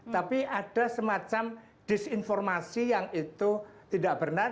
tapi ada semacam disinformasi yang itu tidak benar